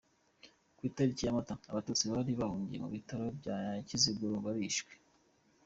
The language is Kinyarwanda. Ku itariki ya Mata : Abatutsi bari bahungiye ku Bitaro bya Kiziguro barishwe.